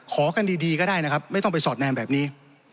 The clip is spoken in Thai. ขอกันดีก็ได้นะครับไม่ต้องไปสอดแนมแบบนี้